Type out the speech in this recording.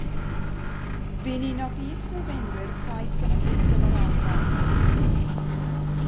Bu'n un o gyd-sylfaenwyr Plaid Genedlaethol yr Alban.